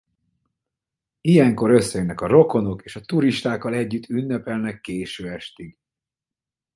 Ilyenkor összejönnek a rokonok és a turistákkal együtt ünnepelnek késő estig.